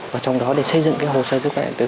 vào trong đó để xây dựng cái hồ sơ sức khỏe điện tử